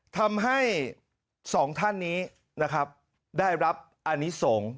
ทำให้สองท่านนี้นะครับได้รับอนิสงฆ์